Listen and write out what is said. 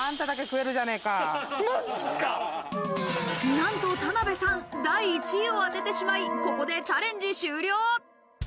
なんと田辺さん、第１位を当ててしまい、ここでチャレンジ終了。